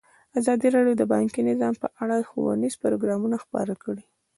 ازادي راډیو د بانکي نظام په اړه ښوونیز پروګرامونه خپاره کړي.